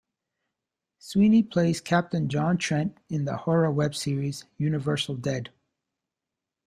Sweeney plays Captain John Trent in the horror web series, "Universal Dead".